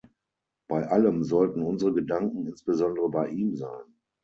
Bei allem sollten unsere Gedanken insbesondere bei ihm sein.